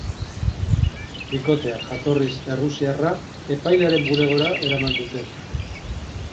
Bikotea, jatorriz errusiarra, epailearen bulegora eraman dute.